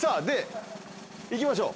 行きましょう。